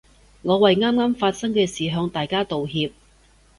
我為啱啱發生嘅事向大家道歉